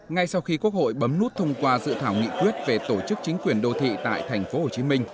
ngay sau khi quốc hội bấm nút thông qua dự thảo nghị quyết về tổ chức chính quyền đô thị tại tp hcm